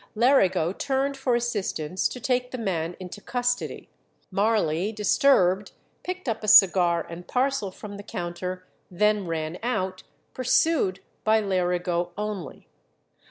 Lerigo turned for assistance to take the man into custody. Marley, disturbed, picked up a cigar and parcel from the counter, then ran out, pursued by Lerigo only.